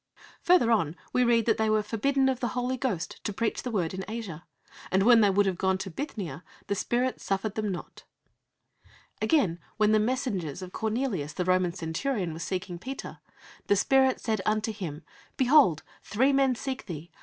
Further on we read that they "were forbidden of the Holy Ghost to preach the word in Asia"; and when they would have gone into Bithynia, "the Spirit suffered them not" (Acts xvi. 6, 7). Again, when the messengers of Cornelius, the Roman centurion, were seeking Peter, "the Spirit said unto him, Behold, three men seek thee.